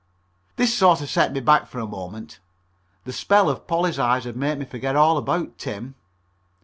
This sort of set me back for the moment. The spell of Polly's eyes had made me forget all about Tim.